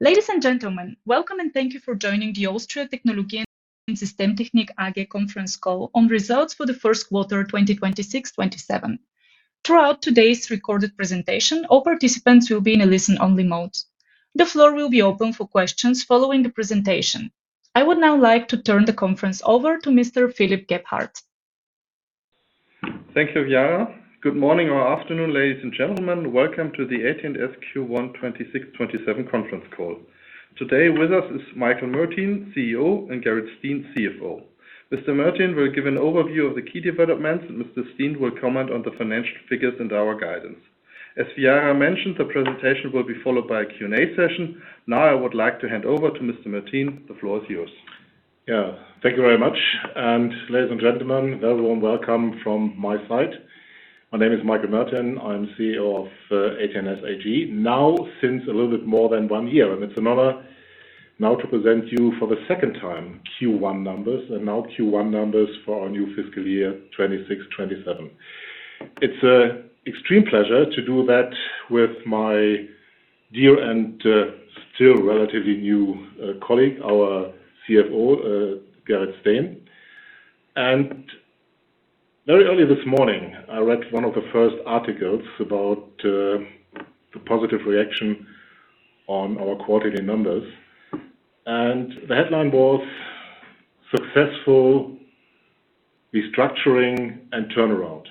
Ladies and gentlemen, welcome and thank you for joining the Austria Technologie und Systemtechnik AG conference call on results for the first quarter, 2026/2027. Throughout today's recorded presentation, all participants will be in a listen-only mode. The floor will be open for questions following the presentation. I would now like to turn the conference over to Mr. Philipp Gebhardt. Thank you, Viara. Good morning or afternoon, ladies and gentlemen. Welcome to the AT&S Q1 2026/2027 conference call. Today with us is Michael Mertin, CEO, and Gerrit Steen, CFO. Mr. Mertin will give an overview of the key developments, and Mr. Steen will comment on the financial figures and our guidance. As Viara mentioned, the presentation will be followed by a Q&A session. I would like to hand over to Mr. Mertin. The floor is yours. Thank you very much. Ladies and gentlemen, a very warm welcome from my side. My name is Michael Mertin. I am CEO of AT&S AG, now since a little bit more than one year. It's an honor now to present to you for the second time Q1 numbers, and now Q1 numbers for our new fiscal year 2026/2027. It's an extreme pleasure to do that with my dear and still relatively new colleague, our CFO, Gerrit Steen. Very early this morning, I read one of the first articles about the positive reaction on our quarterly numbers, and the headline was "Successful Restructuring and Turnaround."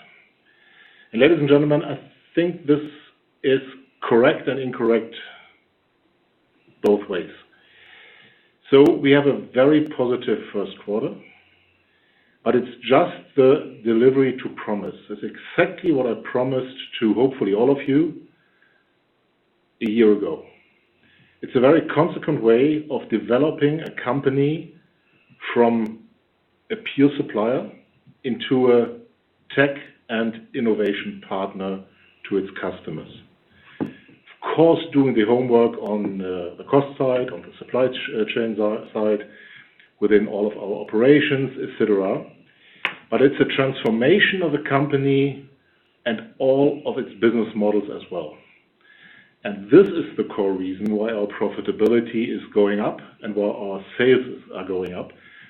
Ladies and gentlemen, I think this is correct and incorrect both ways. We have a very positive first quarter, but it's just the delivery to promise. It's exactly what I promised to hopefully all of you a year ago. It's a very consequent way of developing a company from a pure supplier into a tech and innovation partner to its customers. Of course, doing the homework on the cost side, on the supply chain side, within all of our operations, et cetera, but it's a transformation of the company and all of its business models as well. This is the core reason why our profitability is going up and why our sales are going up,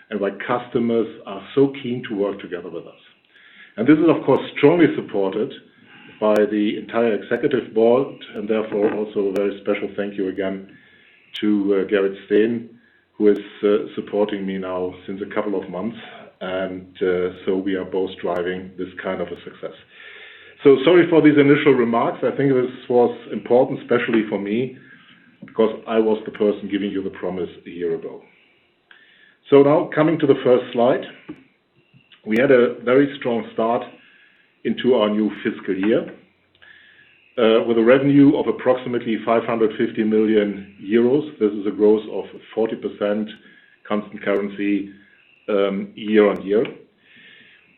and why customers are so keen to work together with us. This is, of course, strongly supported by the entire executive board and therefore, also a very special thank you again to Gerrit Steen, who is supporting me now since a couple of months. We are both driving this kind of a success. Sorry for these initial remarks. I think this was important, especially for me, because I was the person giving you the promise a year ago. Now coming to the first slide. We had a very strong start into our new fiscal year, with a revenue of approximately 550 million euros. This is a growth of 40% constant currency, year-on-year.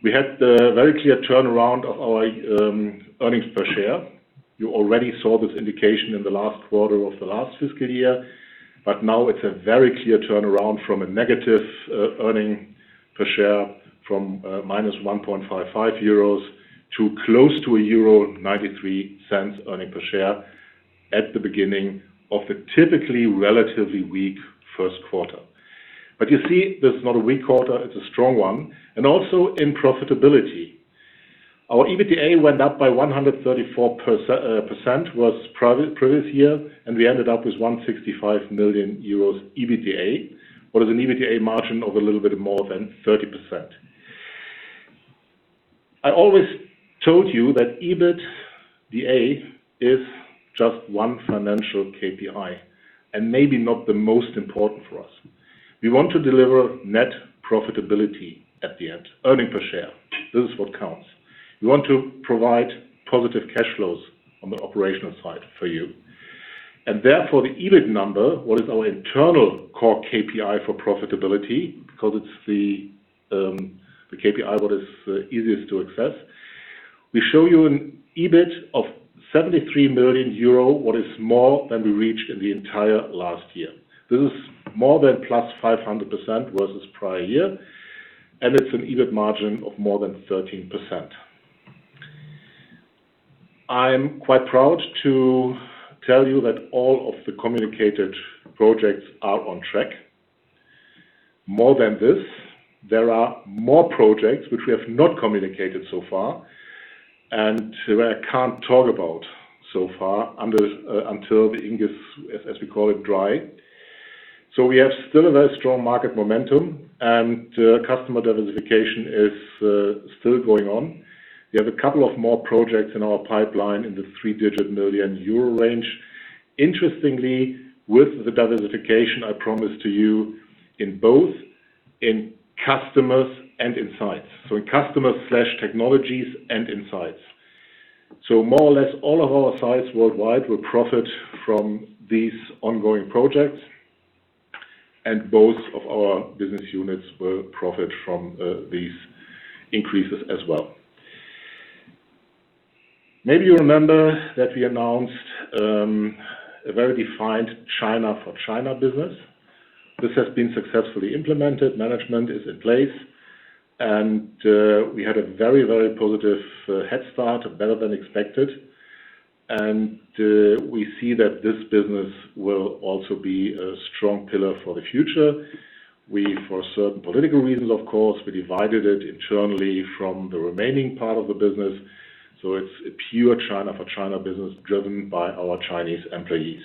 We had a very clear turnaround of our EPS. You already saw this indication in the last quarter of the last fiscal year, but now it's a very clear turnaround from a negative EPS from -1.55 euros to close to 0.93 EPS at the beginning of a typically relatively weak first quarter. You see, this is not a weak quarter, it's a strong one, and also in profitability. Our EBITDA went up by 134% versus previous year, and we ended up with 165 million euros EBITDA. What is an EBITDA margin of a little bit more than 30%. I always told you that EBITDA is just one financial KPI and maybe not the most important for us. We want to deliver net profitability at the end, EPS. This is what counts. We want to provide positive cash flows on the operational side for you. Therefore, the EBIT number, which is our internal core KPI for profitability, because it's the KPI which is easiest to access. We show you an EBIT of 73 million euro, which is more than we reached in the entire last year. This is more than +500% versus prior year, and it's an EBIT margin of more than 13%. I'm quite proud to tell you that all of the communicated projects are on track. More than this, there are more projects which we have not communicated so far and where I can't talk about so far, until the ink is, as we call it, dry. We have still a very strong market momentum and customer diversification is still going on. We have a couple of more projects in our pipeline in the three-digit million euro range. Interestingly, with the diversification I promised to you in both in customers and in sites. In customer/technologies and in sites. More or less all of our sites worldwide will profit from these ongoing projects, and both of our business units will profit from these increases as well. Maybe you remember that we announced a very defined China for China business. This has been successfully implemented. Management is in place, and we had a very positive head start, better than expected. We see that this business will also be a strong pillar for the future. We, for certain political reasons, of course, we divided it internally from the remaining part of the business, so it's a pure China for China business driven by our Chinese employees.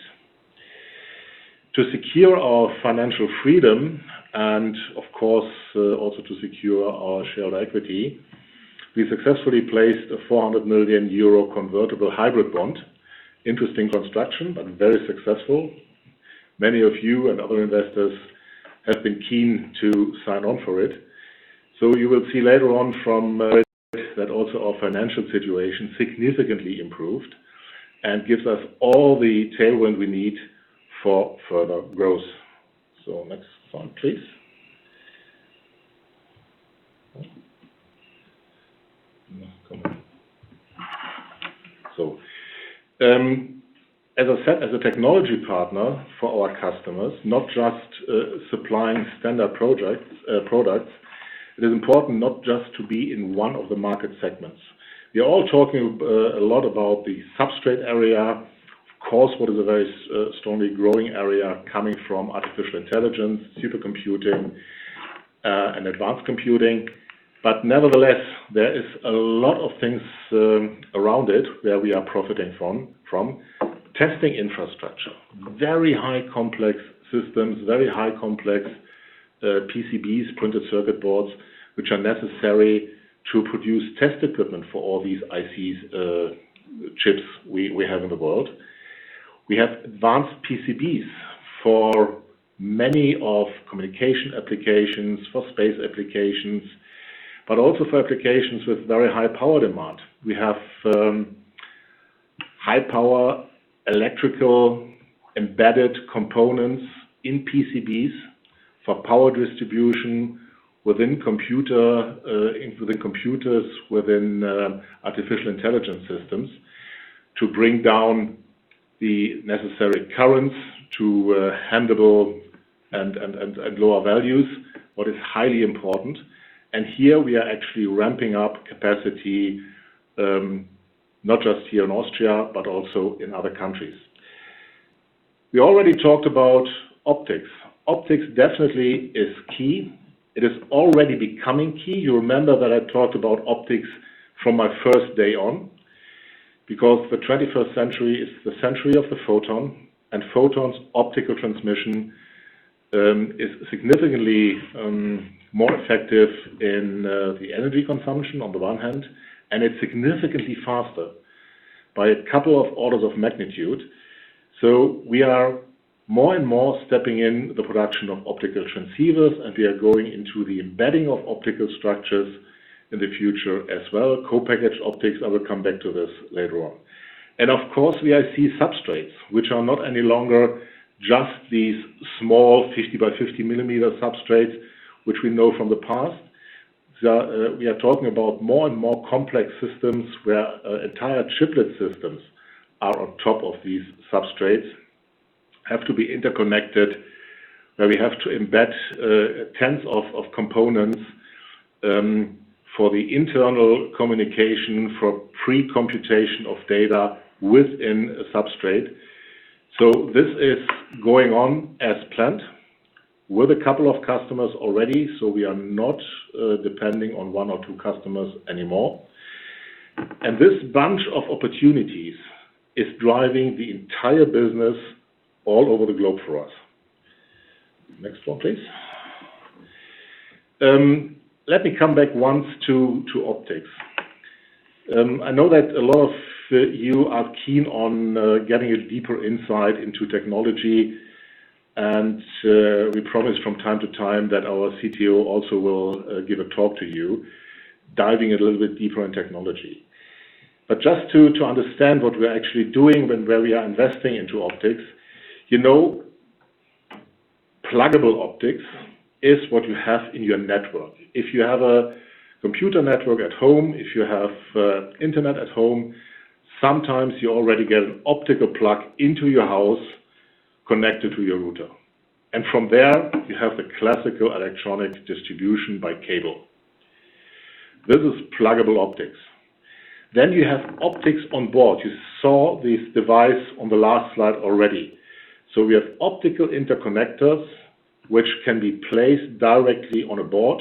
To secure our financial freedom and, of course, also to secure our shared equity, we successfully placed a 400 million euro convertible hybrid bond. Interesting construction, but very successful. Many of you and other investors have been keen to sign on for it. You will see later on from that also our financial situation significantly improved and gives us all the tailwind we need for further growth. Next one, please. Oh. Come on. As I said, as a technology partner for our customers, not just supplying standard products, it is important not just to be in one of the market segments. We are all talking a lot about the substrate area. Of course, what is a very strongly growing area coming from artificial intelligence, supercomputing, and advanced computing. Nevertheless, there is a lot of things around it where we are profiting from testing infrastructure. Very high complex systems, very high complex PCBs, printed circuit boards, which are necessary to produce test equipment for all these ICs chips we have in the world. We have advanced PCBs for many of communication applications, for space applications, but also for applications with very high-power demand. We have high power electrical embedded components in PCBs for power distribution within computers, within artificial intelligence systems, to bring down the necessary currents to handle and lower values, what is highly important. Here we are actually ramping up capacity, not just here in Austria, but also in other countries. We already talked about optics. Optics definitely is key. It is already becoming key. You remember that I talked about optics from my first day on, because the 21st century is the century of the photon, and photon's optical transmission is significantly more effective in the energy consumption on the one hand, and it's significantly faster by a couple of orders of magnitude. We are more and more stepping in the production of optical transceivers, and we are going into the embedding of optical structures in the future as well. Co-packaged optics, I will come back to this later on. Of course, we have IC substrates, which are not any longer just these small 50 by 50 millimeter substrates, which we know from the past. We are talking about more and more complex systems where entire triplet systems are on top of these substrates, have to be interconnected, where we have to embed tens of components for the internal communication, for pre-computation of data within a substrate. This is going on as planned with a couple of customers already, we are not depending on one or two customers anymore. This bunch of opportunities is driving the entire business all over the globe for us. Next one, please. Let me come back once to optics. I know that a lot of you are keen on getting a deeper insight into technology. We promise from time to time that our CTO also will give a talk to you, diving a little bit deeper in technology. Just to understand what we're actually doing when, where we are investing into optics. Pluggable optics is what you have in your network. If you have a computer network at home, if you have internet at home, sometimes you already get an optical plug into your house connected to your router. From there, you have the classical electronic distribution by cable. This is pluggable optics. You have optics on board. You saw this device on the last slide already. We have optical interconnectors, which can be placed directly on a board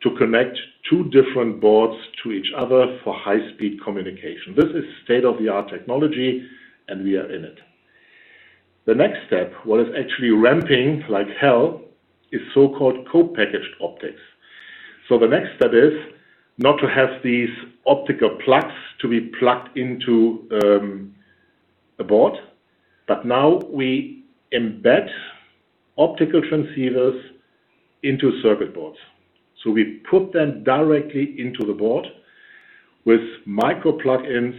to connect two different boards to each other for high-speed communication. This is state-of-the-art technology, and we are in it. The next step, what is actually ramping like hell, is so-called co-packaged optics. The next step is not to have these optical plugs to be plugged into a board. Now we embed optical transceivers into circuit boards. We put them directly into the board with micro plugins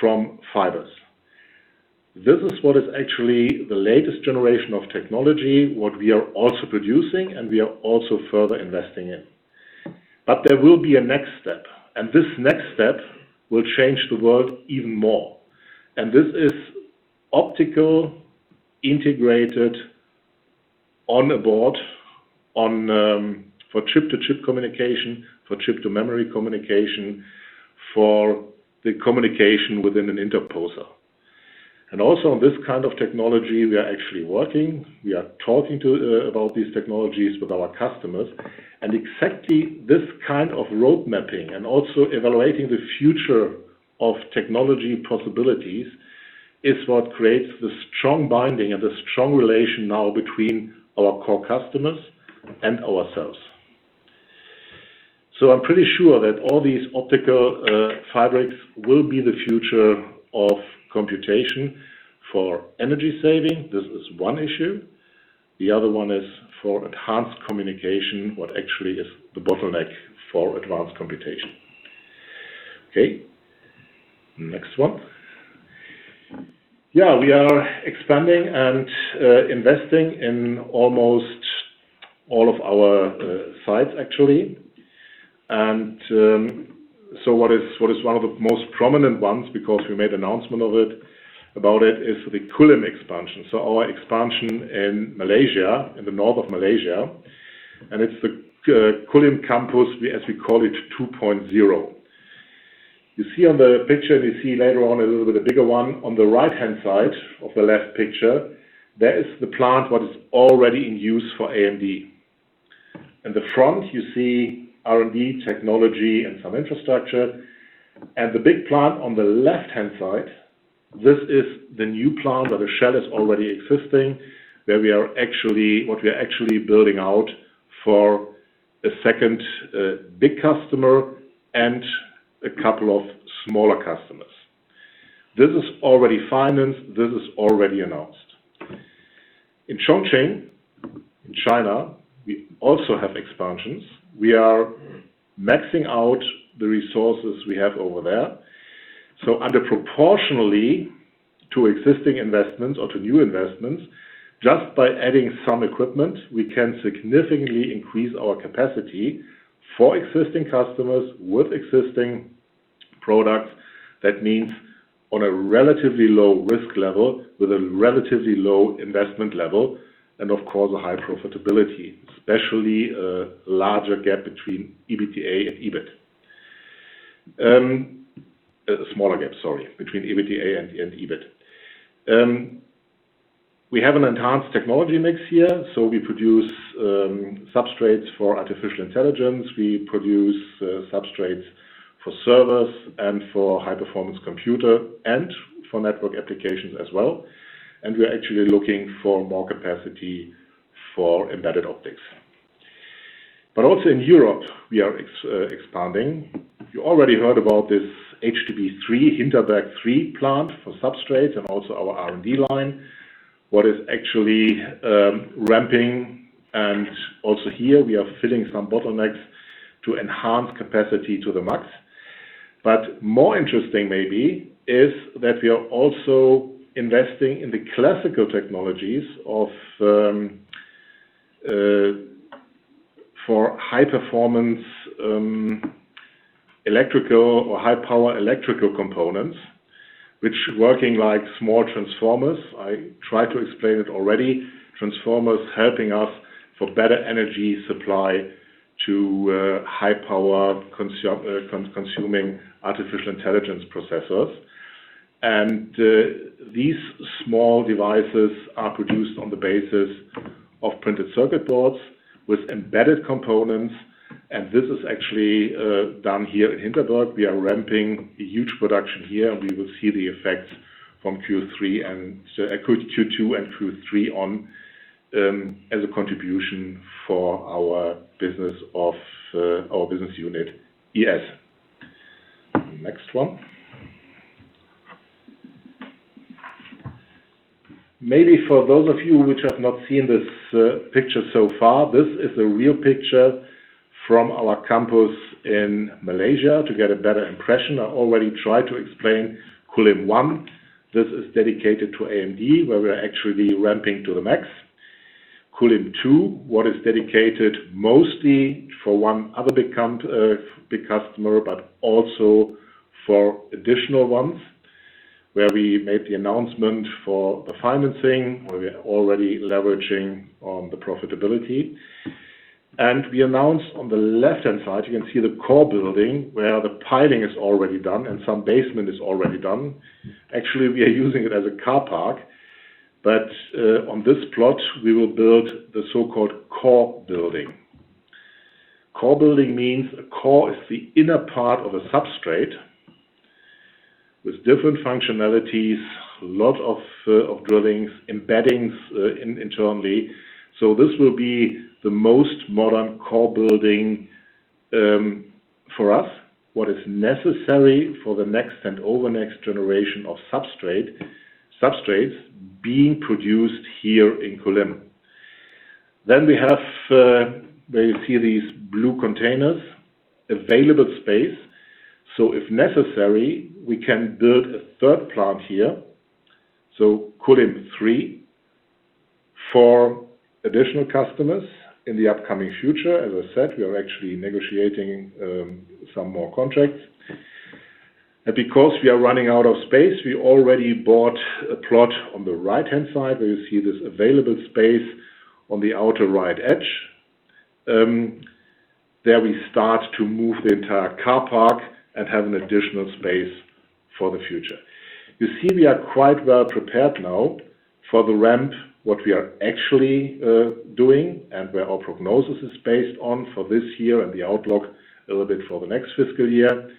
from fibers. This is what is actually the latest generation of technology, what we are also producing, and we are also further investing in. There will be a next step, and this next step will change the world even more. This is optical integrated on a board for chip-to-chip communication, for chip-to-memory communication, for the communication within an interposer. Also on this kind of technology, we are actually working, we are talking about these technologies with our customers. Exactly this kind of road mapping and also evaluating the future of technology possibilities is what creates the strong binding and the strong relation now between our core customers and ourselves. I'm pretty sure that all these optical fabrics will be the future of computation for energy saving. This is one issue. The other one is for enhanced communication, what actually is the bottleneck for advanced computation. Okay, next one. Yeah, we are expanding and investing in almost all of our sites, actually. What is one of the most prominent ones, because we made announcement about it, is the Kulim expansion. Our expansion in Malaysia, in the north of Malaysia, and it's the Kulim campus, as we call it, 2.0. You see on the picture, and you see later on a little bit of bigger one, on the right-hand side of the left picture, that is the plant what is already in use for AMD. In the front, you see R&D technology and some infrastructure. The big plant on the left-hand side, this is the new plant where the shell is already existing, what we are actually building out for a second big customer and a couple of smaller customers. This is already financed. This is already announced. In Chongqing, in China, we also have expansions. We are maxing out the resources we have over there. Under proportionally to existing investments or to new investments, just by adding some equipment, we can significantly increase our capacity for existing customers with existing product. That means on a relatively low risk level, with a relatively low investment level, and of course, a high profitability, especially a larger gap between EBITDA and EBIT. A smaller gap, sorry, between EBITDA and EBIT. We have an enhanced technology mix here. We produce substrates for artificial intelligence. We produce substrates for servers and for high-performance computer and for network applications as well. We are actually looking for more capacity for embedded optics. Also in Europe, we are expanding. You already heard about this HDB3, Hinterberg 3 plant for substrates and also our R&D line. What is actually ramping, and also here we are filling some bottlenecks to enhance capacity to the max. More interesting maybe is that we are also investing in the classical technologies for high performance electrical, or high power electrical components, which working like small transformers. I tried to explain it already. Transformers helping us for better energy supply to high power consuming artificial intelligence processors. These small devices are produced on the basis of printed circuit boards with embedded components, and this is actually done here in Hinterberg. We are ramping a huge production here, and we will see the effects from Q2 and Q3 on as a contribution for our business unit, ES. Next one. Maybe for those of you which have not seen this picture so far, this is a real picture from our campus in Malaysia to get a better impression. I already tried to explain Kulim one. This is dedicated to AMD, where we are actually ramping to the max. Kulim 2, what is dedicated mostly for one other big customer, but also for additional ones, where we made the announcement for the financing, where we are already leveraging on the profitability. We announced on the left-hand side, you can see the core building where the piling is already done and some basement is already done. Actually, we are using it as a car park. On this plot, we will build the so-called core building. Core building means a core is the inner part of a substrate with different functionalities, lot of drillings, embeddings internally. This will be the most modern core building for us, what is necessary for the next and over next generation of substrates being produced here in Kulim. We have, where you see these blue containers, available space. If necessary, we can build a third plant here. Kulim 3 For additional customers in the upcoming future. As I said, we are actually negotiating some more contracts. Because we are running out of space, we already bought a plot on the right-hand side. There you see this available space on the outer right edge. There we start to move the entire car park and have an additional space for the future. You see, we are quite well-prepared now for the ramp, what we are actually doing, and where our prognosis is based on for this year and the outlook a little bit for the next fiscal year,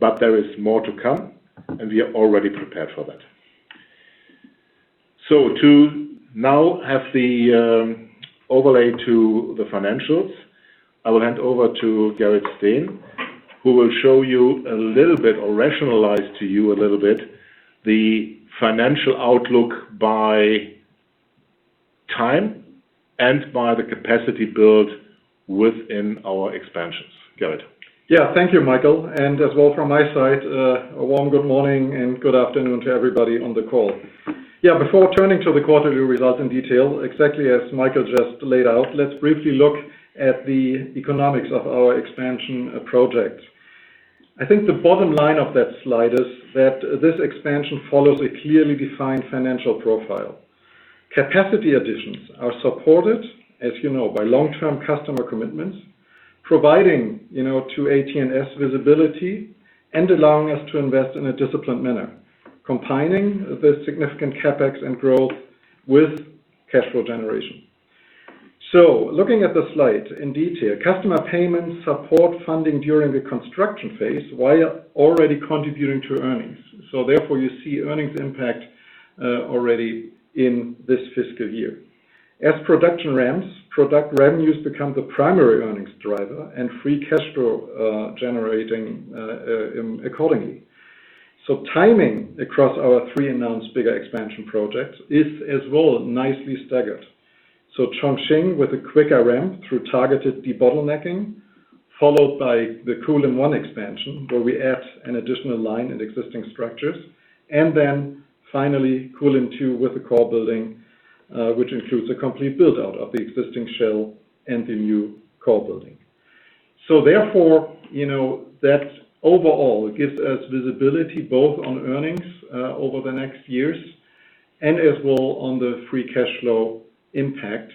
but there is more to come, and we are already prepared for that. To now have the overlay to the financials, I will hand over to Gerrit Steen, who will show you a little bit or rationalize to you a little bit the financial outlook by time and by the capacity build within our expansions. Gerrit? Thank you, Michael. As well from my side, a warm good morning and good afternoon to everybody on the call. Before turning to the quarter review results in detail, exactly as Michael just laid out, let's briefly look at the economics of our expansion project. I think the bottom line of that slide is that this expansion follows a clearly defined financial profile. Capacity additions are supported, as you know, by long-term customer commitments, providing to AT&S visibility and allowing us to invest in a disciplined manner, combining the significant CapEx and growth with cash flow generation. Looking at the slide in detail, customer payments support funding during the construction phase while already contributing to earnings. Therefore, you see earnings impact already in this fiscal year. As production ramps, product revenues become the primary earnings driver and free cash flow generating accordingly. Timing across our three announced bigger expansion projects is as well nicely staggered. Chongqing with a quicker ramp through targeted debottlenecking, followed by the Kulim 1 expansion, where we add an additional line in existing structures, finally Kulim 2 with a core building, which includes a complete build-out of the existing shell and the new core building. Therefore, that overall gives us visibility both on earnings, over the next years, and as well on the free cash flow impact,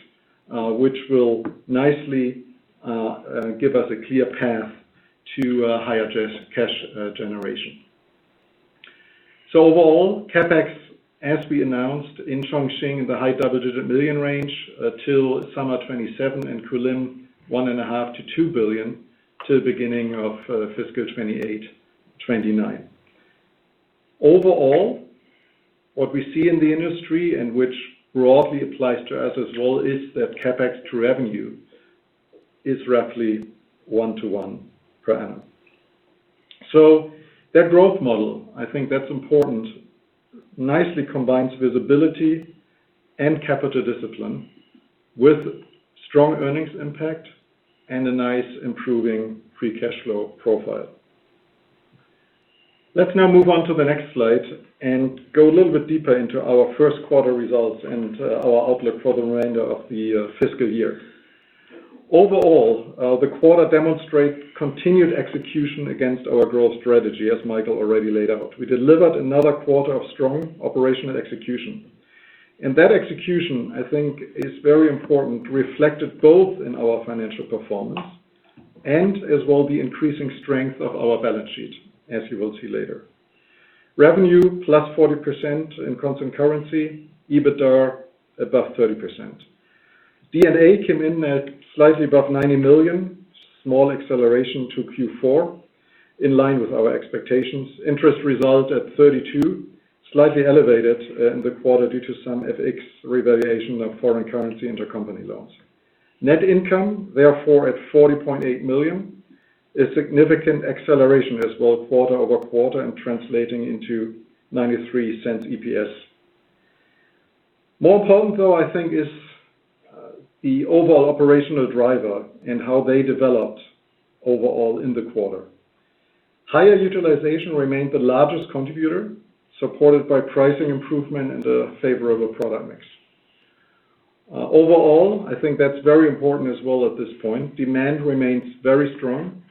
which will nicely give us a clear path to higher cash generation. Overall, CapEx, as we announced in Chongqing, in the high double-digit million range, till summer 2027 in Kulim, 1.5 billion-2 billion to the beginning of fiscal 2028, 2029. Overall, what we see in the industry and which broadly applies to us as well is that CapEx to revenue is roughly one to one per annum. That growth model, I think that's important, nicely combines visibility and capital discipline with strong earnings impact and a nice improving free cash flow profile. Let's now move on to the next slide and go a little bit deeper into our first quarter results and our outlook for the remainder of the fiscal year. Overall, the quarter demonstrates continued execution against our growth strategy, as Michael already laid out. We delivered another quarter of strong operational execution. That execution, I think, is very important, reflected both in our financial performance and as well the increasing strength of our balance sheet, as you will see later. Revenue +40% in constant currency, EBITDA above 30%. D&A came in at slightly above 90 million, small acceleration to Q4, in line with our expectations. Interest result at 32, slightly elevated in the quarter due to some FX revaluation of foreign currency intercompany loans. Net income, therefore, at 40.8 million, a significant acceleration as well quarter-over-quarter and translating into 0.93 EPS. More important though, I think, is the overall operational driver and how they developed overall in the quarter. Higher utilization remained the largest contributor, supported by pricing improvement and a favorable product mix. Overall, I think that's very important as well at this point. Demand remains very strong.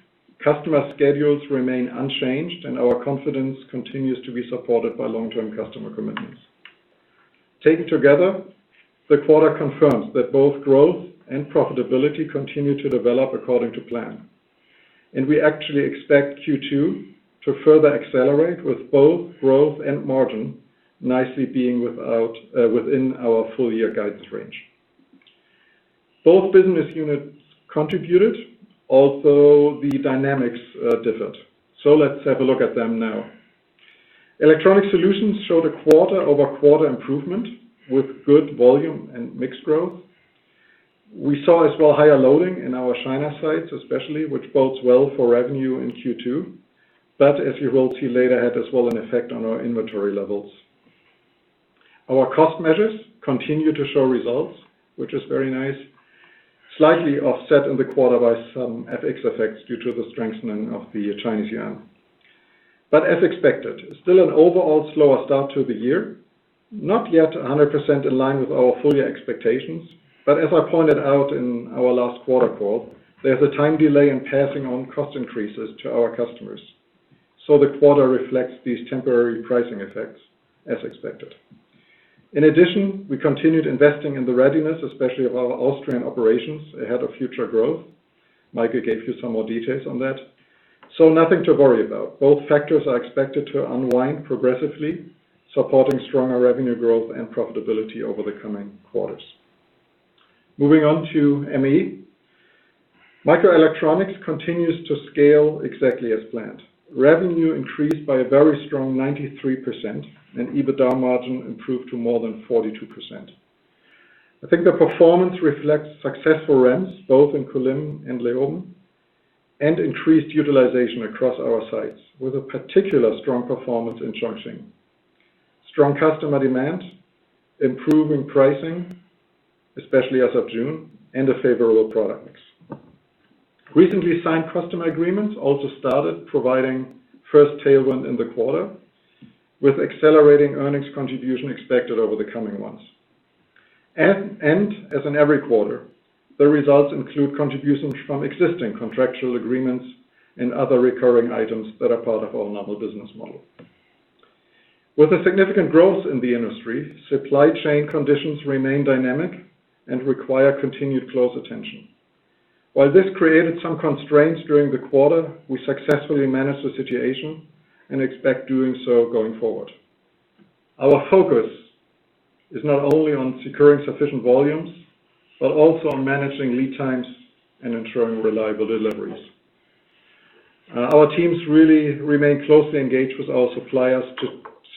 Customer schedules remain unchanged, and our confidence continues to be supported by long-term customer commitments. Taken together, the quarter confirms that both growth and profitability continue to develop according to plan. We actually expect Q2 to further accelerate with both growth and margin nicely being within our full year guidance range. Both business units contributed. The dynamics differed. Let's have a look at them now. Electronics Solutions showed a quarter-over-quarter improvement with good volume and mixed growth. We saw as well higher loading in our China sites especially, which bodes well for revenue in Q2, but as you will see later, had as well an effect on our inventory levels. Our cost measures continue to show results, which is very nice, slightly offset in the quarter by some FX effects due to the strengthening of the Chinese yuan. As expected, still an overall slower start to the year. Not yet 100% in line with our full year expectations. As I pointed out in our last quarter call, there is a time delay in passing on cost increases to our customers. The quarter reflects these temporary pricing effects as expected. In addition, we continued investing in the readiness, especially of our Austrian operations, ahead of future growth. Michael gave you some more details on that. Nothing to worry about. Both factors are expected to unwind progressively, supporting stronger revenue growth and profitability over the coming quarters. Moving on to ME. Microelectronics continues to scale exactly as planned. Revenue increased by a very strong 93%, and EBITDA margin improved to more than 42%. I think the performance reflects successful ramps, both in Kulim and Leoben, and increased utilization across our sites, with a particular strong performance in Chongqing. Strong customer demand, improving pricing, especially as of June, and a favorable product mix. Recently signed customer agreements also started providing first tailwind in the quarter, with accelerating earnings contribution expected over the coming months. As in every quarter, the results include contributions from existing contractual agreements and other recurring items that are part of our normal business model. With the significant growth in the industry, supply chain conditions remain dynamic and require continued close attention. While this created some constraints during the quarter, we successfully managed the situation and expect doing so going forward. Our focus is not only on securing sufficient volumes, but also on managing lead times and ensuring reliable deliveries. Our teams really remain closely engaged with our suppliers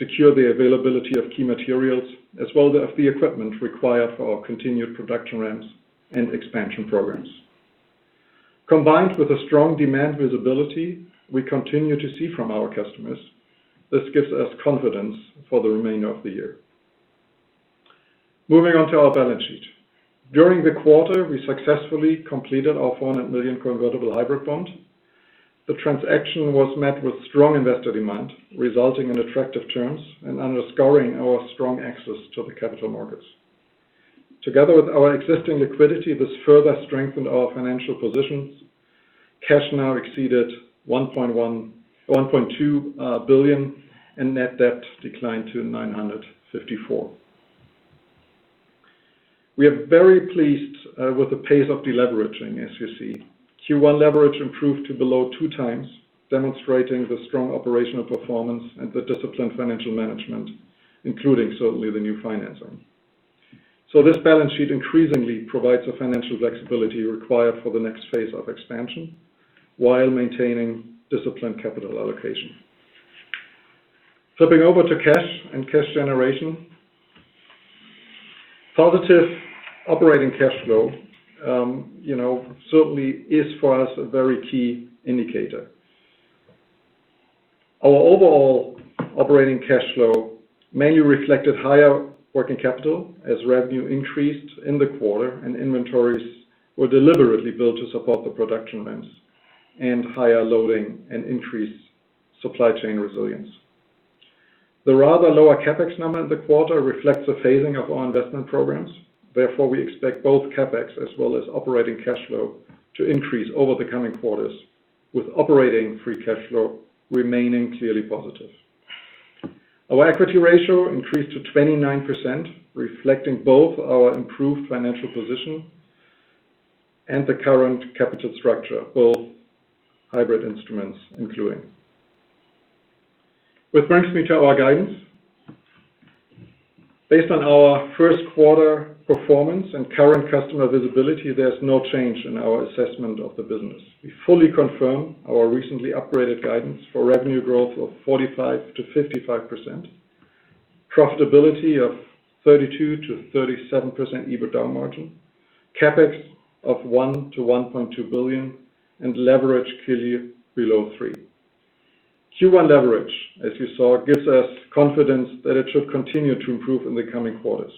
to secure the availability of key materials as well as the equipment required for our continued production ramps and expansion programs. Combined with the strong demand visibility we continue to see from our customers, this gives us confidence for the remainder of the year. Moving on to our balance sheet. During the quarter, we successfully completed our 400 million convertible hybrid bond. The transaction was met with strong investor demand, resulting in attractive terms and underscoring our strong access to the capital markets. Together with our existing liquidity, this further strengthened our financial positions. Cash now exceeded 1.2 billion, and net debt declined to 954. We are very pleased with the pace of deleveraging, as you see. Q1 leverage improved to below 2x, demonstrating the strong operational performance and the disciplined financial management, including certainly the new financing. This balance sheet increasingly provides the financial flexibility required for the next phase of expansion while maintaining disciplined capital allocation. Flipping over to cash and cash generation. Positive operating cash flow certainly is, for us, a very key indicator. Our overall operating cash flow mainly reflected higher working capital as revenue increased in the quarter and inventories were deliberately built to support the production ramps and higher loading and increased supply chain resilience. The rather lower CapEx number in the quarter reflects the phasing of our investment programs. We expect both CapEx as well as operating cash flow to increase over the coming quarters, with operating free cash flow remaining clearly positive. Our equity ratio increased to 29%, reflecting both our improved financial position and the current capital structure, both hybrid instruments including. This brings me to our guidance. Based on our first quarter performance and current customer visibility, there's no change in our assessment of the business. We fully confirm our recently upgraded guidance for revenue growth of 45%-55%, profitability of 32%-37% EBITDA margin, CapEx of 1 billion-1.2 billion, and leverage clearly below three. Q1 leverage, as you saw, gives us confidence that it should continue to improve in the coming quarters.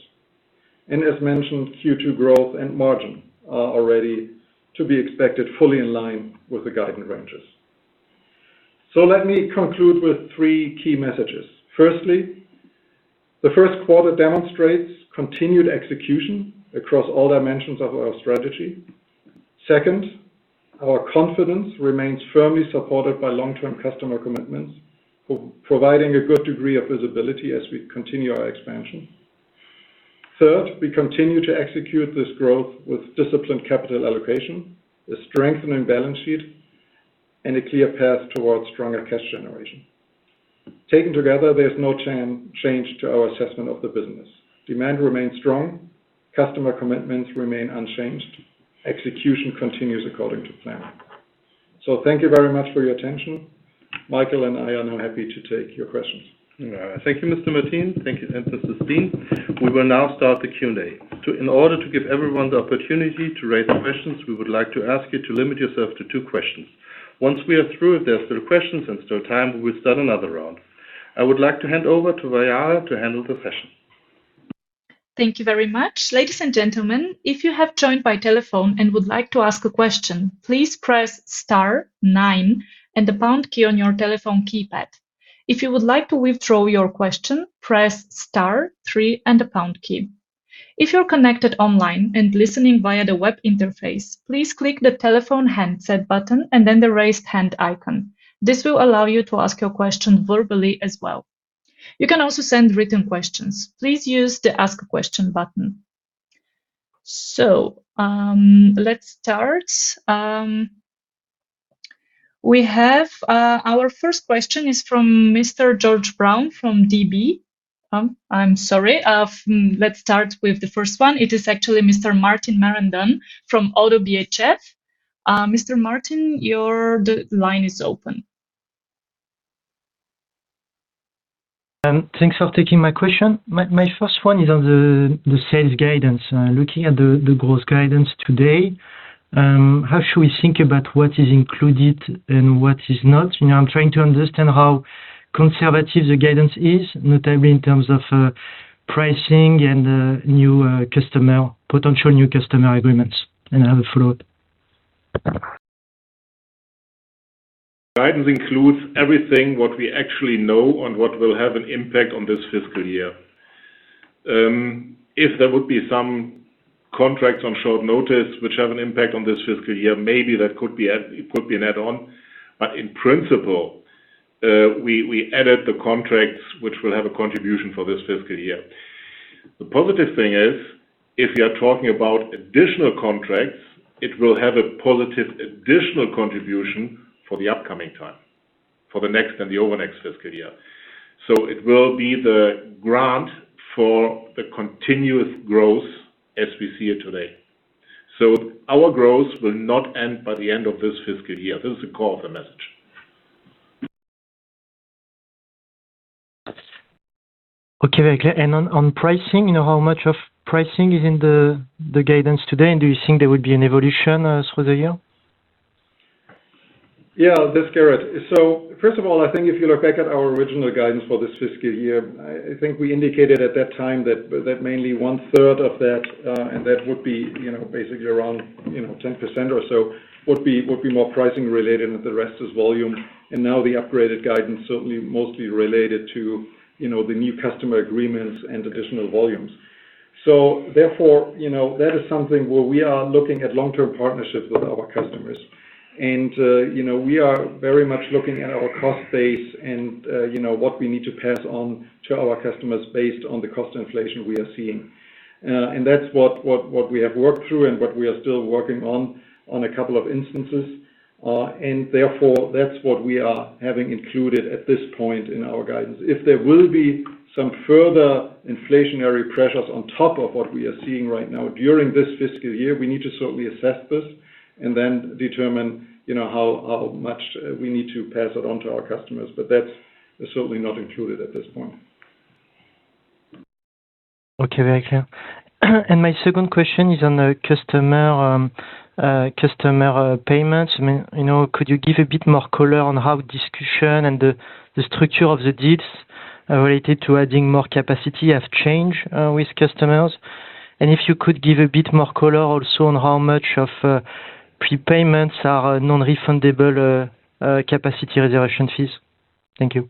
As mentioned, Q2 growth and margin are already to be expected fully in line with the guidance ranges. Let me conclude with three key messages. Firstly, the first quarter demonstrates continued execution across all dimensions of our strategy. Second, our confidence remains firmly supported by long-term customer commitments, providing a good degree of visibility as we continue our expansion. Third, we continue to execute this growth with disciplined capital allocation, a strengthening balance sheet, and a clear path towards stronger cash generation. Taken together, there's no change to our assessment of the business. Demand remains strong. Customer commitments remain unchanged. Execution continues according to plan. Thank you very much for your attention. Michael and I are now happy to take your questions. Thank you, Mr. Mertin. Thank you. Mrs. Steen. We will now start the Q&A. In order to give everyone the opportunity to raise their questions, we would like to ask you to limit yourself to two questions. Once we are through, if there are still questions and still time, we will start another round. I would like to hand over to Viara to handle the session. Thank you very much. Ladies and gentlemen, if you have joined by telephone and would like to ask a question, please press star nine and the pound key on your telephone keypad. If you would like to withdraw your question, press star three and the pound key. If you're connected online and listening via the web interface, please click the telephone handset button and then the raise hand icon. This will allow you to ask your question verbally as well. You can also send written questions. Please use the Ask a Question button. Let's start. Our first question is from Mr. George Brown from DB. I'm sorry. Let's start with the first one. It is actually Mr. Martin Marandon from ODDO BHF. Mr. Martin, your line is open. Thanks for taking my question. My first one is on the sales guidance. Looking at the growth guidance today, how should we think about what is included and what is not? I'm trying to understand how conservative the guidance is, notably in terms of pricing and potential new customer agreements and other float. Guidance includes everything what we actually know on what will have an impact on this fiscal year. If there would be some contracts on short notice which have an impact on this fiscal year, maybe that could be an add-on. In principle, we added the contracts which will have a contribution for this fiscal year. The positive thing is, if we are talking about additional contracts, it will have a positive additional contribution for the upcoming time, for the next and the over next fiscal year. It will be the grant for the continuous growth as we see it today. Our growth will not end by the end of this fiscal year. This is the core of the message. Okay. Very clear. On pricing, how much of pricing is in the guidance today? Do you think there would be an evolution through the year? Yeah. This is Gerrit. First of all, I think if you look back at our original guidance for this fiscal year, I think we indicated at that time that mainly one third of that, and that would be basically around 10% or so, would be more pricing related, and the rest is volume. Now the upgraded guidance certainly mostly related to the new customer agreements and additional volumes. Therefore, that is something where we are looking at long-term partnerships with our customers. We are very much looking at our cost base and what we need to pass on to our customers based on the cost inflation we are seeing. That's what we have worked through and what we are still working on a couple of instances. Therefore, that's what we are having included at this point in our guidance. If there will be some further inflationary pressures on top of what we are seeing right now during this fiscal year, we need to certainly assess this and then determine how much we need to pass it on to our customers. But that's certainly not included at this point. Okay. Very clear. My second question is on the customer payments. Could you give a bit more color on how discussion and the structure of the deals related to adding more capacity have changed with customers? If you could give a bit more color also on how much of prepayments are non-refundable capacity reservation fees. Thank you.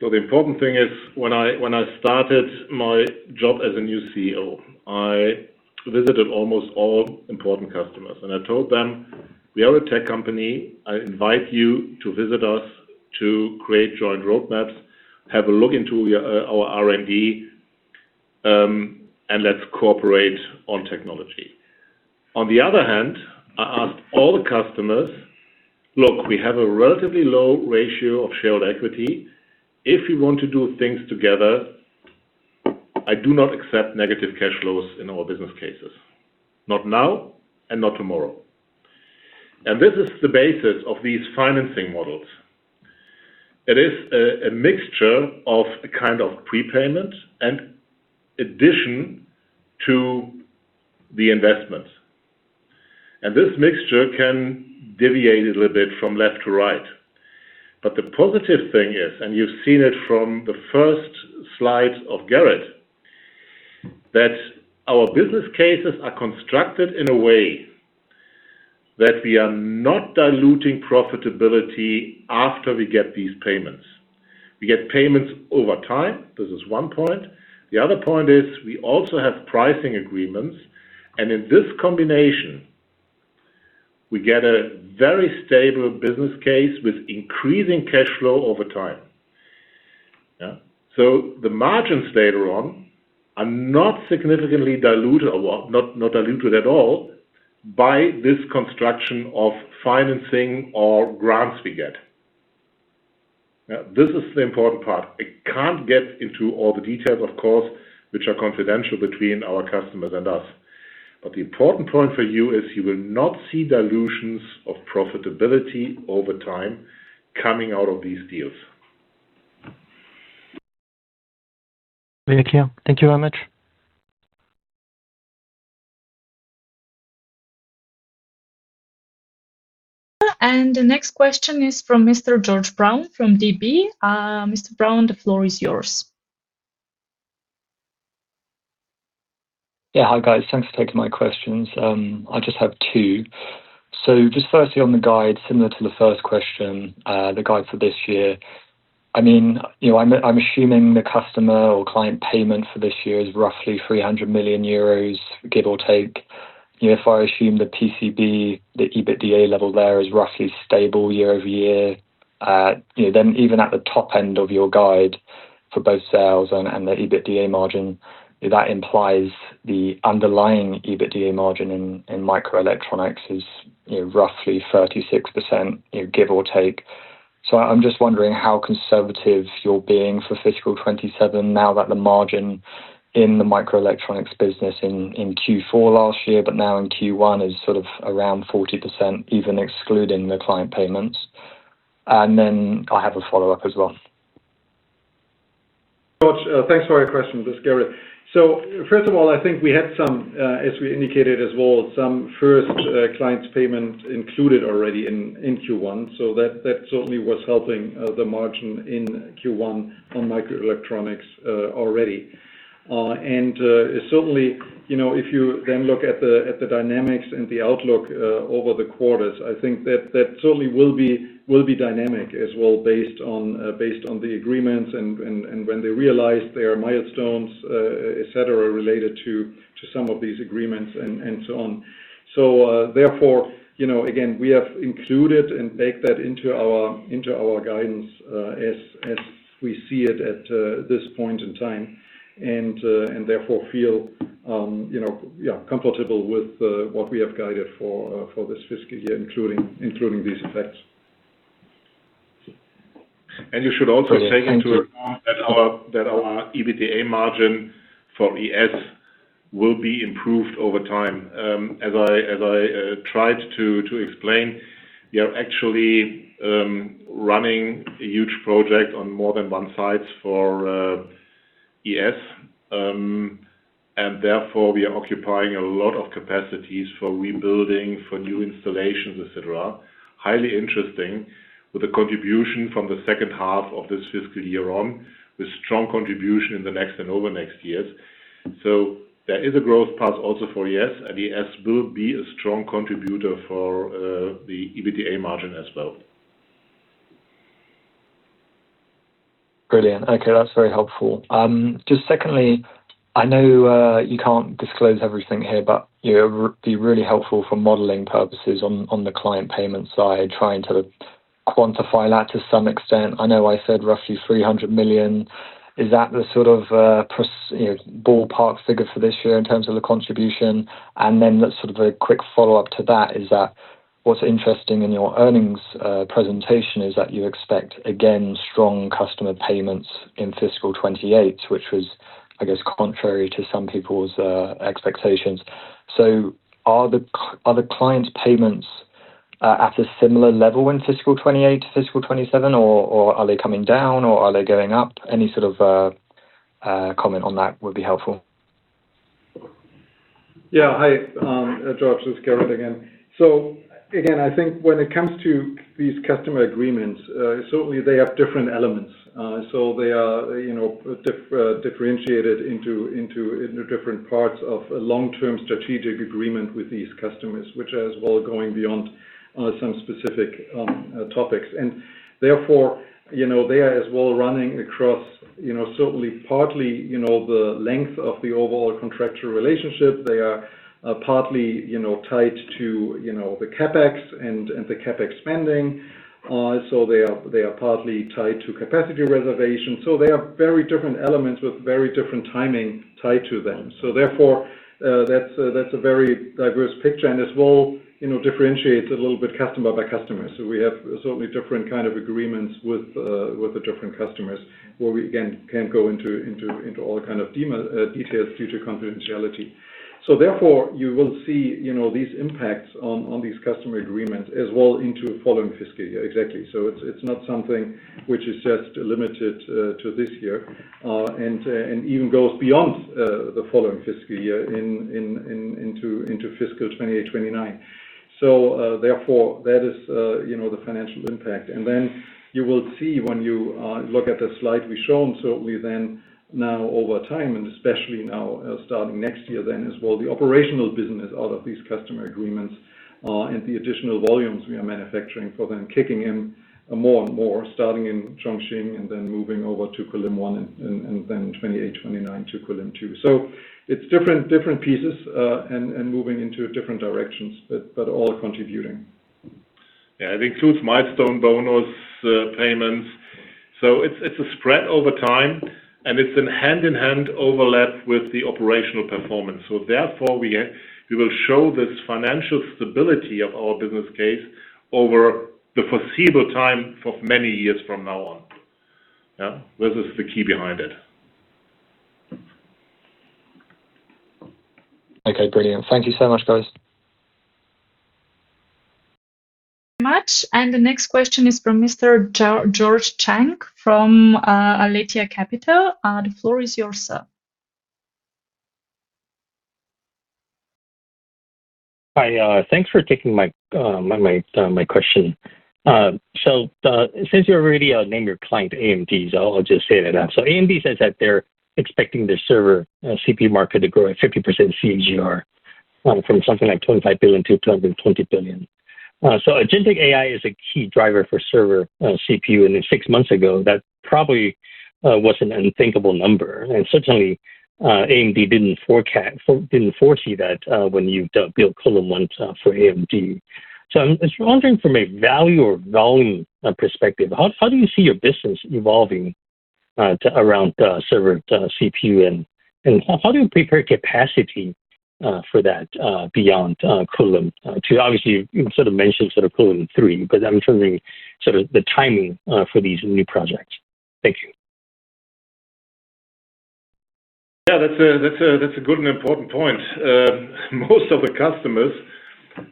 The important thing is, when I started my job as a new CEO, I visited almost all important customers, and I told them, "We are a tech company. I invite you to visit us to create joint roadmaps, have a look into our R&D, and let's cooperate on technology." On the other hand, I asked all the customers, "Look, we have a relatively low ratio of shared equity. If we want to do things together, I do not accept negative cash flows in our business cases, not now and not tomorrow." This is the basis of these financing models. It is a mixture of a kind of prepayment and addition to the investment. This mixture can deviate a little bit from left to right. The positive thing is, and you've seen it from the first slide of Gerrit, that our business cases are constructed in a way that we are not diluting profitability after we get these payments. We get payments over time. This is one point. The other point is we also have pricing agreements. In this combination, we get a very stable business case with increasing cash flow over time. The margins later on are not significantly diluted, or not diluted at all, by this construction of financing or grants we get. This is the important part. I can't get into all the details, of course, which are confidential between our customers and us. The important point for you is you will not see dilutions of profitability over time coming out of these deals. Very clear. Thank you very much. The next question is from Mr. George Brown from Deutsche Bank. Mr. Brown, the floor is yours. Hi, guys. Thanks for taking my questions. I just have two. Just firstly, on the guide, similar to the first question, the guide for this year. I'm assuming the customer or client payment for this year is roughly 300 million euros, give or take. If I assume the PCB, the EBITDA level there is roughly stable year-over-year, even at the top end of your guide for both sales and the EBITDA margin, that implies the underlying EBITDA margin in Microelectronics is roughly 36%, give or take. I'm just wondering how conservative you're being for fiscal 2027 now that the margin in the Microelectronics business in Q4 last year, but now in Q1 is sort of around 40%, even excluding the client payments. Then I have a follow-up as well. George, thanks for your question. This is Gerrit. First of all, I think we had some, as we indicated as well, some first clients payment included already in Q1. That certainly was helping the margin in Q1 on Microelectronics already. Certainly, if you then look at the dynamics and the outlook over the quarters, I think that certainly will be dynamic as well based on the agreements and when they realize their milestones, et cetera, related to some of these agreements and so on. Therefore, again, we have included and baked that into our guidance as we see it at this point in time and therefore feel comfortable with what we have guided for this fiscal year, including these effects. You should also take into account that our EBITDA margin for ES will be improved over time. As I tried to explain, we are actually running a huge project on more than one site for ES, therefore we are occupying a lot of capacities for rebuilding, for new installations, et cetera. Highly interesting with the contribution from the second half of this fiscal year on, with strong contribution in the next and over next years. There is a growth path also for ES, and ES will be a strong contributor for the EBITDA margin as well. Brilliant. That's very helpful. Just secondly, I know you can't disclose everything here, it would be really helpful for modeling purposes on the client payment side, trying to quantify that to some extent. I know I said roughly 300 million. Is that the sort of ballpark figure for this year in terms of the contribution? Sort of a quick follow-up to that is that what's interesting in your earnings presentation is that you expect, again, strong customer payments in fiscal 2028, which was, I guess, contrary to some people's expectations. Are the client payments at a similar level in fiscal 2028 to fiscal 2027, or are they coming down or are they going up? Any sort of comment on that would be helpful. Hi, George, this is Gerrit again. Again, I think when it comes to these customer agreements, certainly they have different elements. They are differentiated into different parts of a long-term strategic agreement with these customers, which as well going beyond some specific topics. Therefore, they are as well running across certainly partly the length of the overall contractual relationship. They are partly tied to the CapEx and the CapEx spending. They are partly tied to capacity reservation. They are very different elements with very different timing tied to them. Therefore, that's a very diverse picture and as well differentiates a little bit customer by customer. We have certainly different kind of agreements with the different customers where we, again, can't go into all kind of details due to confidentiality. Therefore, you will see these impacts on these customer agreements as well into following fiscal year. Exactly. It's not something which is just limited to this year and even goes beyond the following fiscal year into fiscal 2028, 2029. Therefore, that is the financial impact. You will see when you look at the slide we've shown, certainly then now over time, and especially now starting next year then as well, the operational business out of these customer agreements and the additional volumes we are manufacturing for them kicking in more and more, starting in Chongqing and then moving over to Kulim 1 and then in 2028, 2029 to Kulim 2. It's different pieces and moving into different directions, but all contributing. It includes milestone bonus payments. It's a spread over time and it's a hand-in-hand overlap with the operational performance. Therefore we will show this financial stability of our business case over the foreseeable time for many years from now on. This is the key behind it. Brilliant. Thank you so much, guys. Thank you very much. The next question is from Mr. George Chang from Aletheia Capital. The floor is yours, sir. Hi. Thanks for taking my question. Since you already named your client AMD, I'll just say that out. AMD says that they're expecting the server CPU market to grow at 50% CAGR from something like 25 billion-220 billion. agentic AI is a key driver for server CPU, six months ago, that probably was an unthinkable number. Certainly, AMD didn't foresee that when you built Kulim 1 for AMD. I'm just wondering from a value or volume perspective, how do you see your business evolving around server CPU, and how do you prepare capacity for that beyond Kulim? Obviously, you sort of mentioned Kulim 3, I'm trying the timing for these new projects. Thank you. Yeah. That's a good and important point. Most of the customers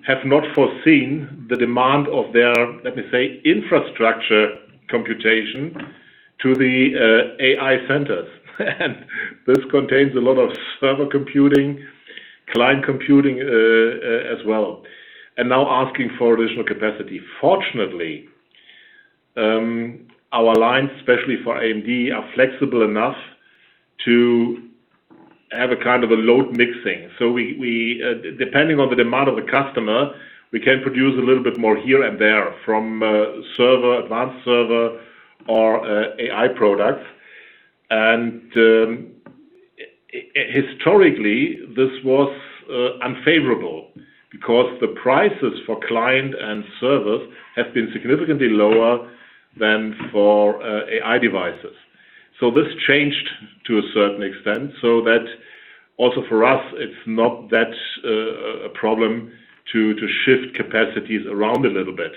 have not foreseen the demand of their, let me say, infrastructure computation to the AI centers. This contains a lot of server computing, client computing as well, and now asking for additional capacity. Fortunately, our lines, especially for AMD, are flexible enough to have a kind of a load mixing. Depending on the demand of the customer, we can produce a little bit more here and there from server, advanced server, or AI products. Historically, this was unfavorable because the prices for client and servers have been significantly lower than for AI devices. This changed to a certain extent so that also for us it's not that a problem to shift capacities around a little bit.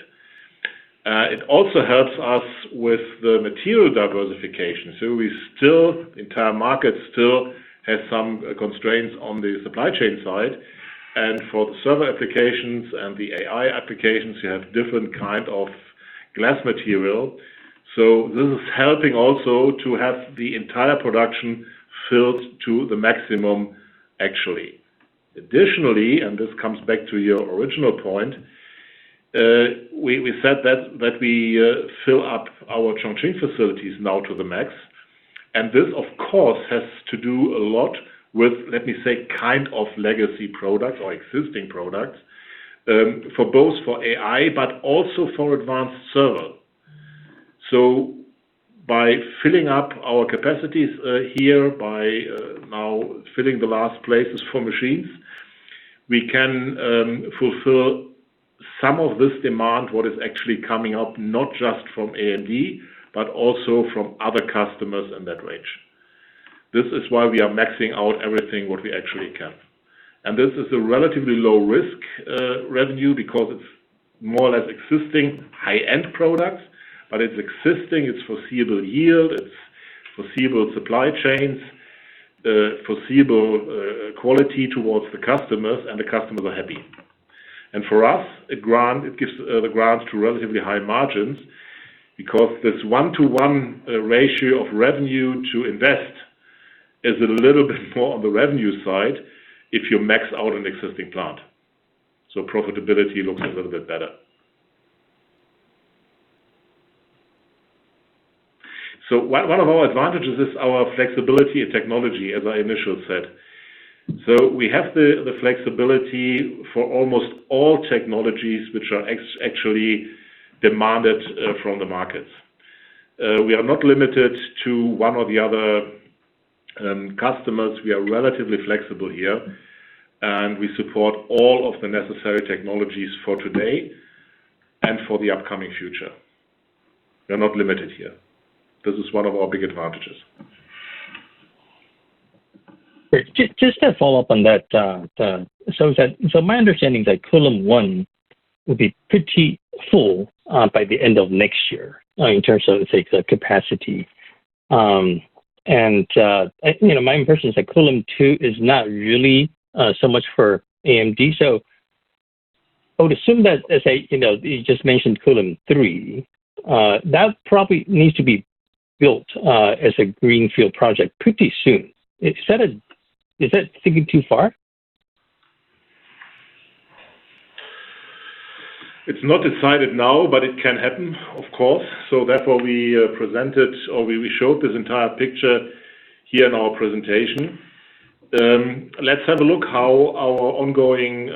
It also helps us with the material diversification. The entire market still has some constraints on the supply chain side. For the server applications and the AI applications, you have different kind of glass material. This is helping also to have the entire production filled to the maximum, actually. Additionally, this comes back to your original point, we said that we fill up our Chongqing facilities now to the max, and this, of course, has to do a lot with, let me say, kind of legacy products or existing products, both for AI but also for advanced server. By filling up our capacities here, by now filling the last places for machines, we can fulfill some of this demand, what is actually coming up, not just from AMD but also from other customers in that range. This is why we are maxing out everything what we actually can. This is a relatively low-risk revenue because it's more or less existing high-end products. It's existing, it's foreseeable yield, it's foreseeable supply chains, foreseeable quality towards the customers, and the customers are happy. For us, it gives the grants to relatively high margins because this 1:1 ratio of revenue to invest is a little bit more on the revenue side if you max out an existing plant. Profitability looks a little bit better. One of our advantages is our flexibility of technology, as I initially said. We have the flexibility for almost all technologies which are actually demanded from the markets. We are not limited to one or the other customers. We are relatively flexible here, and we support all of the necessary technologies for today and for the upcoming future. We are not limited here. This is one of our big advantages. My understanding is that Kulim 1 will be pretty full by the end of next year in terms of, say, capacity. My impression is that Kulim 2 is not really so much for AMD. I would assume that, as you just mentioned Kulim 3, that probably needs to be built as a greenfield project pretty soon. Is that thinking too far? It's not decided now, it can happen, of course. Therefore, we presented or we showed this entire picture here in our presentation. Let's have a look how our ongoing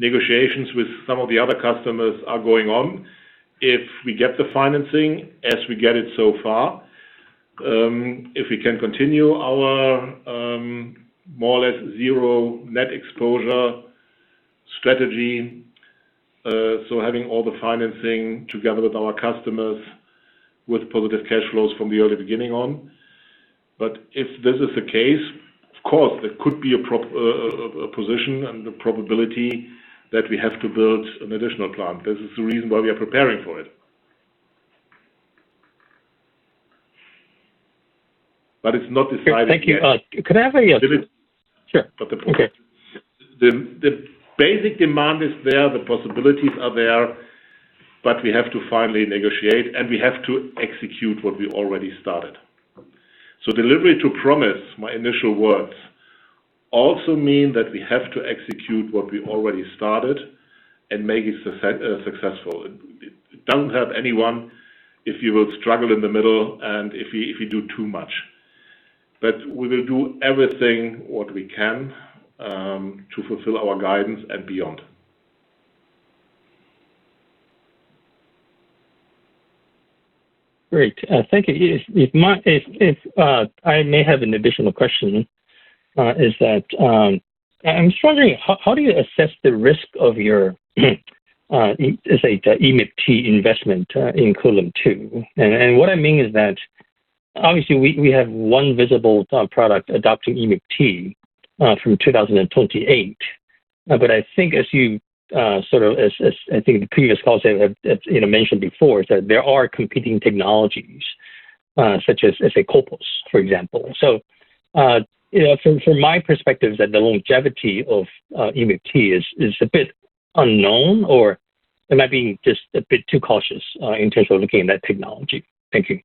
negotiations with some of the other customers are going on. If we get the financing as we get it so far, if we can continue our more or less zero net exposure strategy, so having all the financing together with our customers with positive cash flows from the early beginning on. If this is the case, of course, there could be a position and the probability that we have to build an additional plant. This is the reason why we are preparing for it. It's not decided yet. Thank you. Yeah. Sure. Okay. The point is, the basic demand is there. The possibilities are there. We have to finally negotiate, and we have to execute what we already started. Delivery to promise, my initial words, also mean that we have to execute what we already started and make it successful. It doesn't help anyone if you will struggle in the middle and if we do too much. We will do everything what we can to fulfill our guidance and beyond. Great. Thank you. I may have an additional question, is that I was wondering how do you assess the risk of your, let's say, EMIB-T investment in Kulim 2? What I mean is that obviously we have one visible product adopting EMIB-T from 2028. I think as you, I think the previous calls have mentioned before, is that there are competing technologies, such as, let's say, CoWoS, for example. From my perspective, the longevity of EMIB-T is a bit unknown, or am I being just a bit too cautious in terms of looking at that technology? Thank you.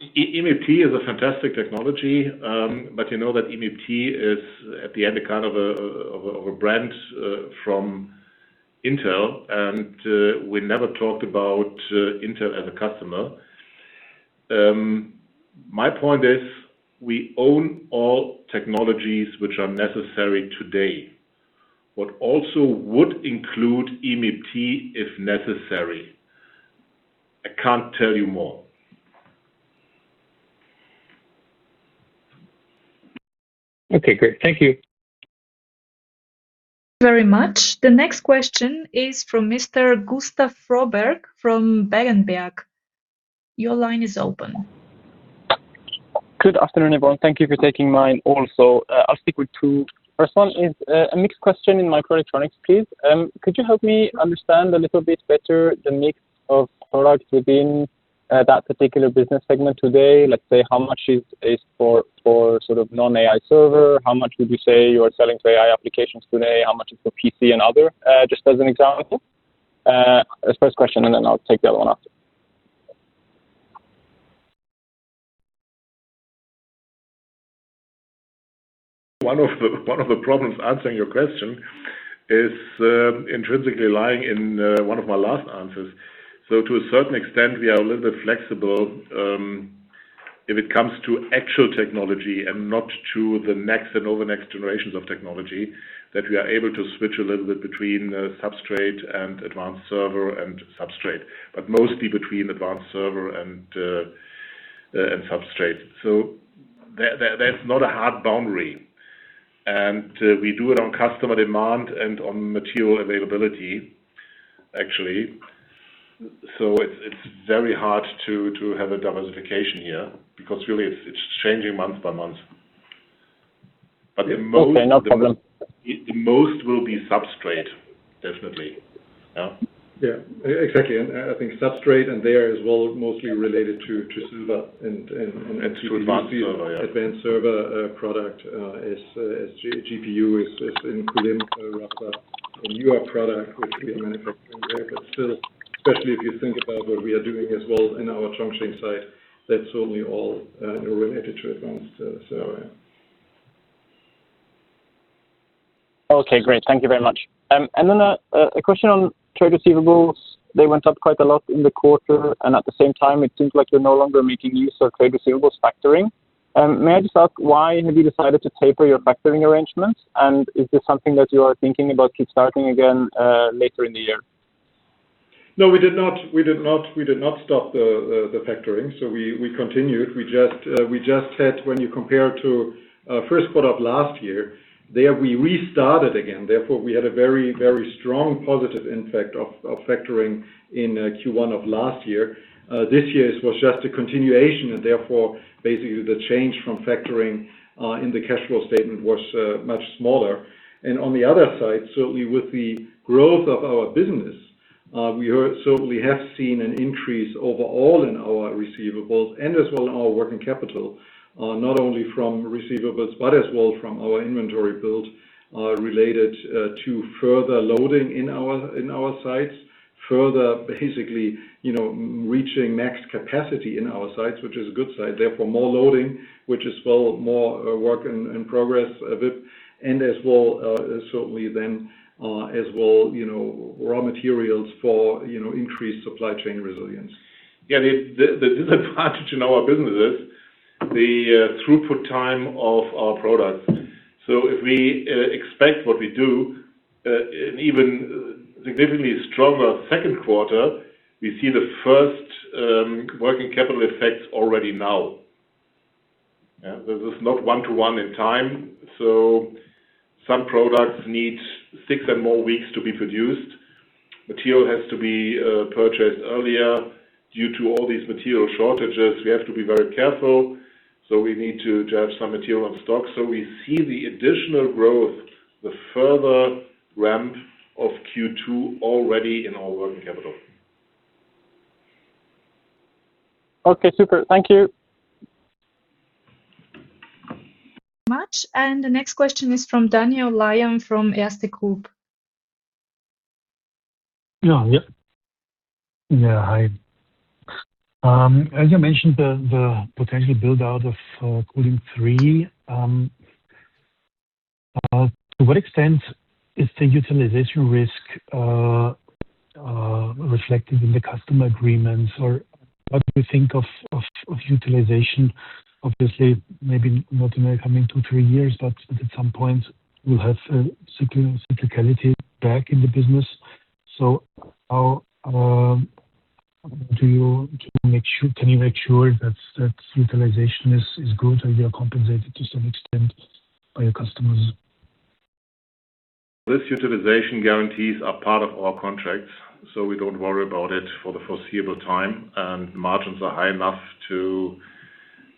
Yeah. EMIB-T is a fantastic technology, you know that EMIB-T is, at the end, a kind of a brand from Intel. We never talked about Intel as a customer. My point is we own all technologies which are necessary today. What also would include EMIB-T, if necessary. I can't tell you more. Okay, great. Thank you. Very much. The next question is from Mr. Gustav Fröberg from Berenberg. Your line is open. Good afternoon, everyone. Thank you for taking mine also. I'll stick with two. First one is a mixed question in Microelectronics, please. Could you help me understand a little bit better the mix of products within that particular business segment today? Let's say, how much is for non-AI server? How much would you say you are selling to AI applications today? How much is for PC and other? Just as an example. That's the first question. Then I'll take the other one after. One of the problems answering your question is intrinsically lying in one of my last answers. To a certain extent, we are a little bit flexible if it comes to actual technology and not to the next and over next generations of technology, that we are able to switch a little bit between substrate and advanced server and substrate. Mostly between advanced server and substrate. That's not a hard boundary. We do it on customer demand and on material availability, actually. It's very hard to have a diversification here because really it's changing month by month. Okay, no problem. The most will be substrate, definitely. Yeah? Yeah, exactly. I think substrate and there as well, mostly related to server and— To advanced server, yeah— Advanced server product as GPU is in Kulim, rather a newer product which we are manufacturing there. Still, especially if you think about what we are doing as well in our Chongqing site, that's certainly all related to advanced server. Okay, great. Thank you very much. Then a question on trade receivables. They went up quite a lot in the quarter, and at the same time, it seems like you're no longer making use of trade receivables factoring. May I just ask why have you decided to taper your factoring arrangements? Is this something that you are thinking about keep starting again later in the year? No, we did not stop the factoring. We continued. We just had, when you compare to first quarter of last year, there we restarted again, therefore, we had a very strong positive impact of factoring in Q1 of last year. This year it was just a continuation. Therefore, basically, the change from factoring in the cash flow statement was much smaller. On the other side, certainly with the growth of our business, we certainly have seen an increase overall in our receivables and as well in our working capital. Not only from receivables, but as well from our inventory build related to further loading in our sites. Further, basically, reaching max capacity in our sites, which is a good site, therefore, more loading, which is well, more work in progress a bit. As well, certainly then, as well raw materials for increased supply chain resilience. The disadvantage in our business is the throughput time of our products. If we expect what we do, an even significantly stronger second quarter, we see the first working capital effects already now. This is not one-to-one in time. Some products need six and more weeks to be produced. Material has to be purchased earlier. Due to all these material shortages, we have to be very careful. We need to have some material in stock. We see the additional growth, the further ramp of Q2 already in our working capital. Thank you. The next question is from Daniel Lion from Erste Group. Hi. As you mentioned, the potential build-out of Kulim 3, to what extent is the utilization risk reflected in the customer agreements? Or what do you think of utilization? Obviously, maybe not in the coming two, three years, but at some point, we'll have cyclicality back in the business. Can you make sure that utilization is good, or you are compensated to some extent by your customers? This utilization guarantees are part of our contracts, so we don't worry about it for the foreseeable time, and margins are high enough to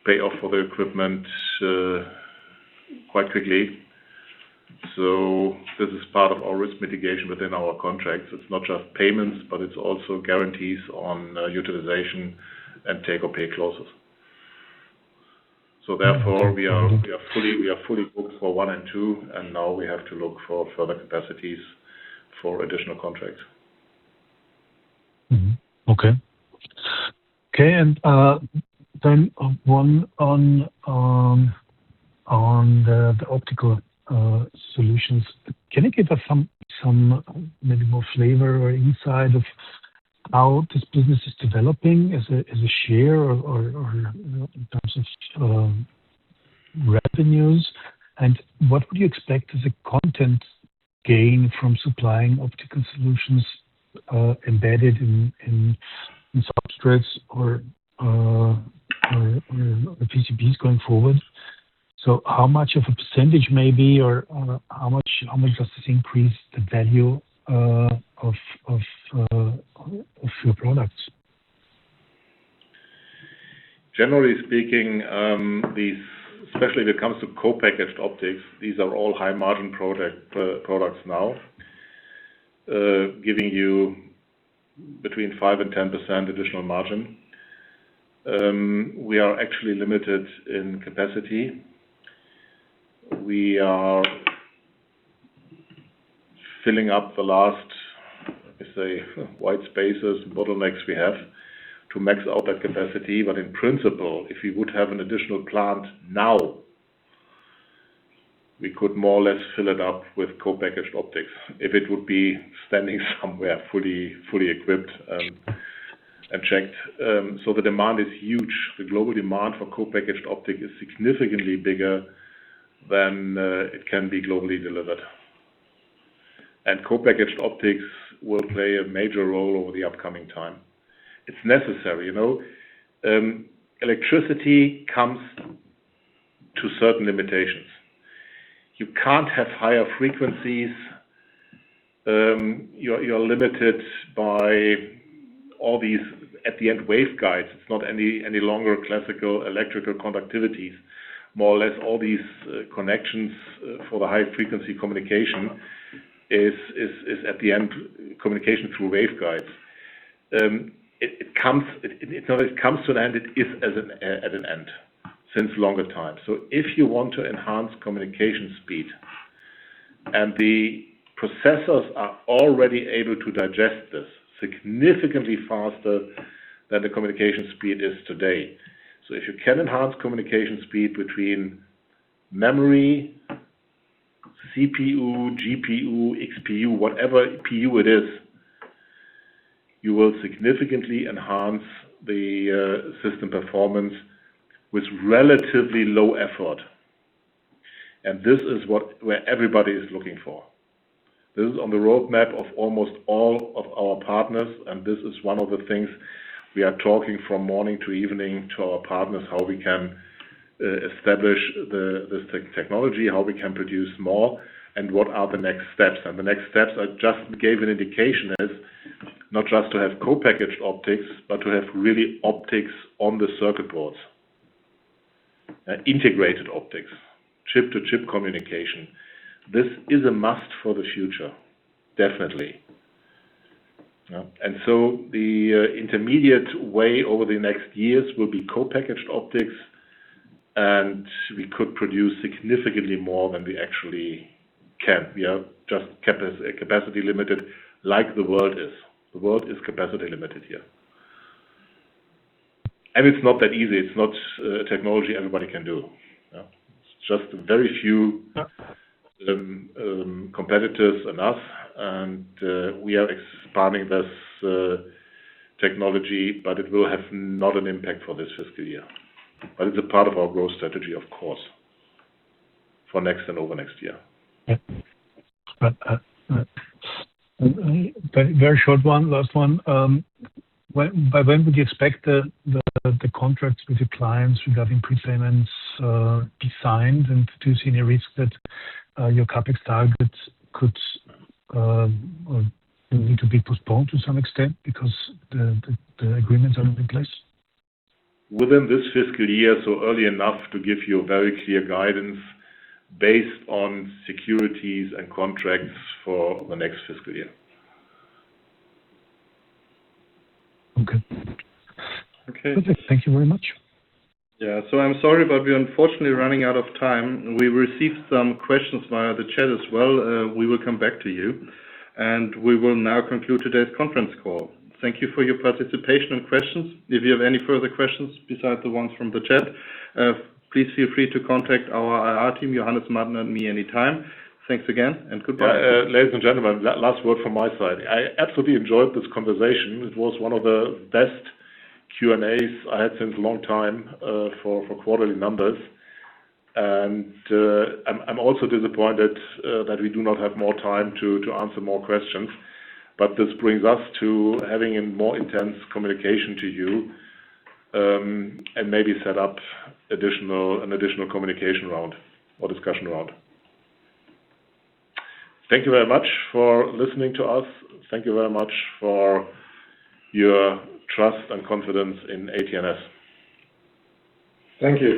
pay off for the equipment quite quickly. This is part of our risk mitigation within our contracts. It's not just payments, but it's also guarantees on utilization and take-or-pay clauses. Therefore, we are fully booked for one and two, and now we have to look for further capacities for additional contracts. = Okay. Then one on the optical solutions. Can you give us maybe more flavor or insight of how this business is developing as a share or in terms of revenues? And what would you expect as a content gain from supplying optical solutions embedded in substrates or PCBs going forward? How much of a percentage maybe, or how much does this increase the value of your products? Generally speaking, especially when it comes to co-packaged optics, these are all high-margin products now, giving you between 5% and 10% additional margin. We are actually limited in capacity. We are filling up the last, let me say, white spaces, bottlenecks we have to max out that capacity. But in principle, if we would have an additional plant now, we could more or less fill it up with co-packaged optics if it would be standing somewhere fully equipped and checked. The demand is huge. The global demand for co-packaged optics is significantly bigger than it can be globally delivered. And co-packaged optics will play a major role over the upcoming time. It's necessary. Electricity comes to certain limitations. You can't have higher frequencies. You're limited by all these, at the end, waveguides. It's not any longer classical electrical conductivities. More or less all these connections for the high-frequency communication is, at the end, communication through waveguides. It's not it comes to an end. It is at an end since a long time. If you want to enhance communication speed, and the processors are already able to digest this significantly faster than the communication speed is today. If you can enhance communication speed between memory, CPU, GPU, XPU, whatever PU it is, you will significantly enhance the system performance with relatively low effort. This is where everybody is looking for. This is on the roadmap of almost all of our partners, and this is one of the things we are talking from morning to evening to our partners, how we can establish this technology, how we can produce more, and what are the next steps. The next steps I just gave an indication is not just to have co-packaged optics, but to have really optics on the circuit boards. Integrated optics. Chip-to-chip communication. This is a must for the future. Definitely. The intermediate way over the next years will be co-packaged optics, and we could produce significantly more than we actually can. We are just capacity limited like the world is. The world is capacity limited here. It's not that easy. It's not a technology everybody can do. It's just very few competitors and us, and we are expanding this technology, but it will have not an impact for this fiscal year. It's a part of our growth strategy, of course, for next and over next year. Yeah. Very short one. Last one. By when would you expect the contracts with your clients regarding prepayments be signed and to see any risk that your CapEx targets could need to be postponed to some extent because the agreements are not in place? Within this fiscal year, early enough to give you a very clear guidance based on securities and contracts for the next fiscal year. Okay. Okay. Perfect. Thank you very much. I'm sorry, but we're unfortunately running out of time. We received some questions via the chat as well. We will come back to you. We will now conclude today's conference call. Thank you for your participation and questions. If you have any further questions besides the ones from the chat, please feel free to contact our IR team, Johannes, Mertin, and me anytime. Thanks again and goodbye. Ladies and gentlemen, last word from my side. I absolutely enjoyed this conversation. It was one of the best Q&As I had since a long time for quarterly numbers. I'm also disappointed that we do not have more time to answer more questions. This brings us to having a more intense communication to you, and maybe set up an additional communication round or discussion round. Thank you very much for listening to us. Thank you very much for your trust and confidence in AT&S. Thank you.